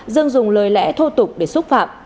dương dùng lời lẽ thô tục để xúc phạm